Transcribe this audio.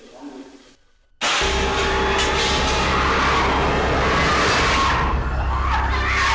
ครับ